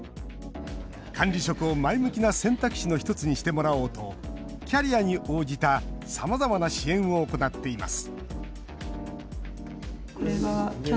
管理職を前向きな選択肢の１つにしてもらおうとキャリアに応じたさまざまな支援を行っています